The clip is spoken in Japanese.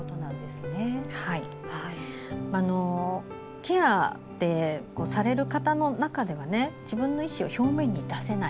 ケアってされる方の中では自分の意思を表面に出せない。